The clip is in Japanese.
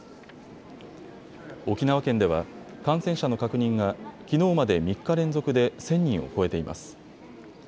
沖縄県では感染者の確認がきのうまで３日連続で１０００人を超えています。